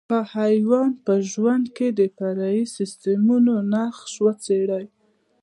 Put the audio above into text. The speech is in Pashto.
په حیوان په ژوند کې د فرعي سیسټمونو نقش وڅېړئ.